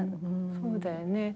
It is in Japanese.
そうだよね。